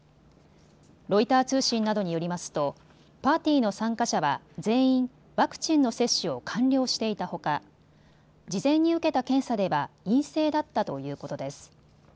ロイター通信などによりますとパーティーの参加者は全員、ワクチンの接種を完了していたほか事前に受けた検査では陰性だったということです。